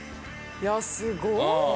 いやすごい。